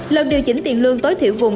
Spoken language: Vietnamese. lần điều chỉnh tiền lương cho người lao động